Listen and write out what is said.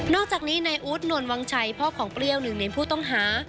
อกจากนี้นายอู๊ดนวลวังชัยพ่อของเปรี้ยวหนึ่งในผู้ต้องหา